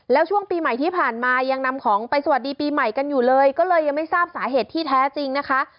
แล้วช่วงปีใหม่ที่ผ่านมายังนำของไปสวัสดีปีใหม่กันอยู่เลยก็เลยยังไม่ทราบสาเหตุที่แท้จริงนะคะ